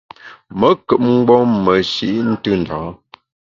Me nkùp mgbom meshi’ ntù ndâ a.